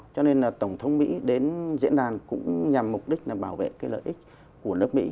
cho nên là tổng thống mỹ đến diễn đàn cũng nhằm mục đích là bảo vệ cái lợi ích của nước mỹ